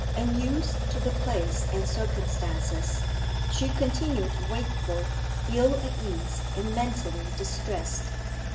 Unused to the place and circumstances, she continued wakeful, ill at ease, and mentally distressed.